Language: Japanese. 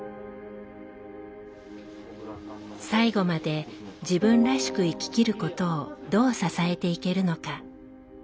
最期まで自分らしく生ききることをどう支えていけるのか。